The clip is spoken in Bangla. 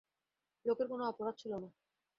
লোকের কোনো অপরাধ ছিল না।